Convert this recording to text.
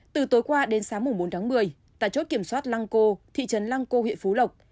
từ tối qua đến sáng bốn tháng một mươi tại chốt kiểm soát lăng cô thị trấn lăng cô huyện phú lộc